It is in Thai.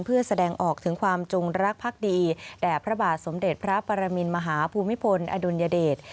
เพื่อแสดงออกถึงความจงรักภักดีแด่พระบาทสมเด็จพระปรมินมหาภูมิพลอดุลยเดช